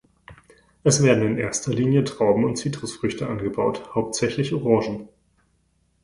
Es werden in erster Linie Trauben und Zitrusfrüchte angebaut, hauptsächlich Orangen.